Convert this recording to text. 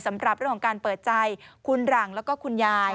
สำหรับเรื่องของการเปิดใจคุณหลังแล้วก็คุณยาย